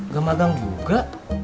gak magang juga